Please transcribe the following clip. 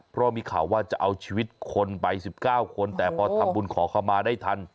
เพราะมีข่าวว่าจะเอาชีวิตคนไป๑๙คนแต่พอทำบุญขอเข้ามาได้ทัน